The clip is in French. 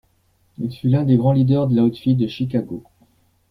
Il fut l'un des grands leaders de l'Outfit de Chicago.